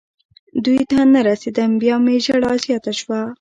دوی ته نه رسېدم. بیا مې ژړا زیاته شوه.